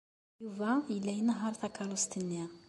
Yuba yella inehheṛ takeṛṛust-nni.